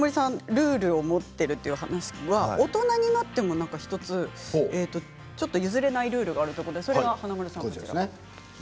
ルールを持っているという話大人になっても１つ譲れないルールがあるということで。